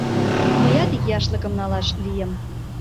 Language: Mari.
Мыят ик яшлыкым налаш лийым.